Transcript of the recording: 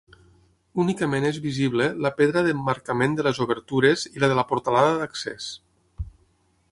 Únicament és visible la pedra d'emmarcament de les obertures i la de la portalada d'accés.